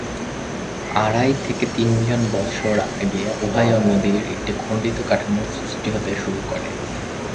আড়াই থেকে তিন মিলিয়ন বছর আগে ওহাইও নদীর একটি খন্ডিত কাঠামো সৃষ্টি হতে শুরু করে।